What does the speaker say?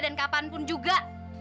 dan kapanpun juga